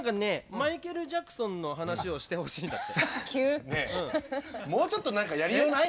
マイケル・ジャクソンの話をしてほしいんだって。